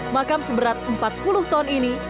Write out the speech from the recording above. makam seberat empat puluh ton ini